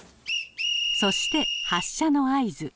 そして発車の合図。